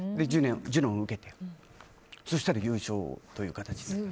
ジュノンを受けてそしたら優勝という形で。